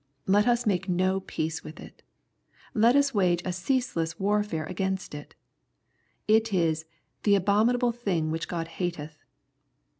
Let us make no peace with it. Let us wage a ceaseless warfare against it. It is ^' the abominable thing which God hateth."